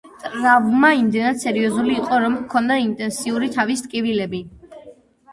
ტრავმა იმდენად სერიოზული იყო, რომ ჰქონდა ინტენსიური თავის ტკივილები.